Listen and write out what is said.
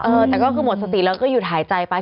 เออแต่ก็คือหมดสติแล้วก็หยุดหายใจไป